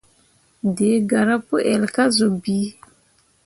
Dǝǝ garah pu ell kah zun bii.